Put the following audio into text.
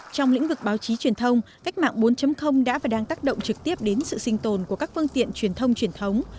trong lĩnh vực báo chí truyền thông cách mạng bốn đã và đang tác động trực tiếp đến sự sinh tồn của các phương tiện truyền thông truyền thống